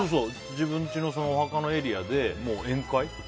自分ちのお墓のエリアで宴会。